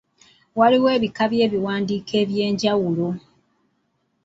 Waliwo ebika by'ebiwandiiko eby'enjawulo.